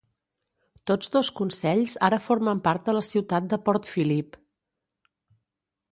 Tots dos Consells ara formen part de la ciutat de Port Phillip.